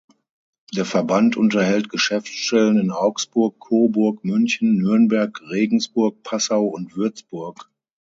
Der Verband unterhält Geschäftsstellen in Augsburg, Coburg, München, Nürnberg, Regensburg, Passau und Würzburg.